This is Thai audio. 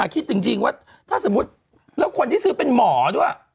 คิดจริงว่าถ้าสมมุติแล้วคนที่ซื้อเป็นหมอด้วย